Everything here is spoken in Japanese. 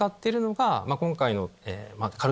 今回の。